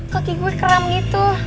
kaki gue keram gitu